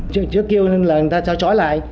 trước kia là người ta trao trói lại